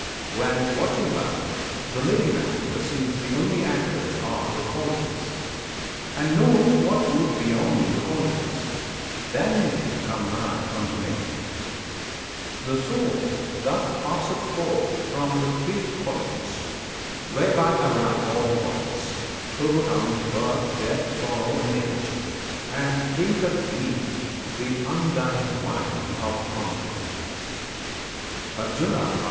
When, watching life, the living man perceives The only actors are the Qualities, And knows what rules beyond the Qualities, Then is he come nigh unto Me! The Soul, Thus passing forth from the Three Qualities Whereby arise all bodies overcomes Birth, Death, Sorrow, and Age; and drinketh deep The undying wine of Amrit. Arjuna.